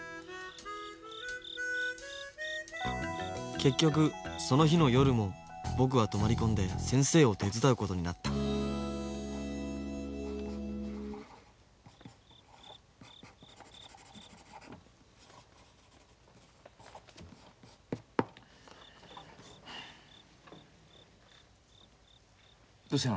結局その日の夜も僕は泊まり込んで先生を手伝うことになったどうしたの？